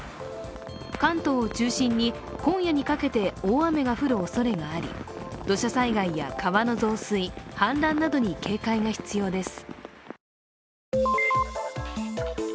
関東を中心に今夜にかけて大雨が降るおそれがあり土砂災害や川の増水、氾濫などに警戒が必要です。